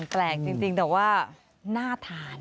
แปลกจริงแต่ว่าน่าทาน